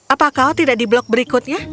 apa kau tidak di blok berikutnya